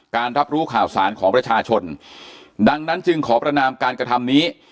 รับรู้ข่าวสารของประชาชนดังนั้นจึงขอประนามการกระทำนี้